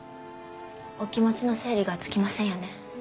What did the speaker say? お気持ちの整理がつきませんよね。